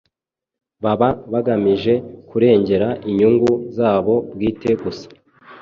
baba bagamije kurengera inyungu zabo bwite gusa.